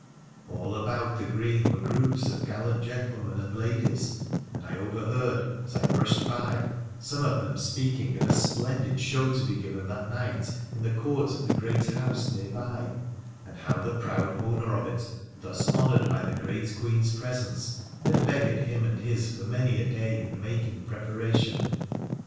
All about the green were groups of gallant gentlemen and ladies, and I overheard, as I brushed by, some of them speaking of a 250 WONDERFUL ADVENTURES OF splendid show to be given that night in the court of the great house near by, and how the proud owner of it, thus honoured by the great Queen's presence, had beggared him and his for many a day in making preparation.